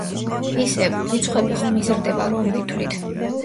ისევ, რიცხვები ხომ იზრდება, რომ ვითვლით.